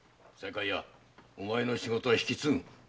西海屋お前の仕事は引き継ぐ。